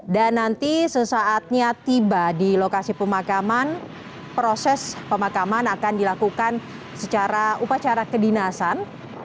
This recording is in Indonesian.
dan nanti sesaatnya tiba di lokasi pemakaman proses pemakaman akan dilakukan secara upacara kedinasan